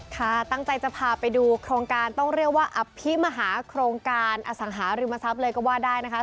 ค่ะตั้งใจจะพาไปดูโครงการต้องเรียกว่าอภิมหาโครงการอสังหาริมทรัพย์เลยก็ว่าได้นะคะ